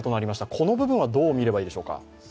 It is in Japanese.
この部分はどう見ればいいでしょうか？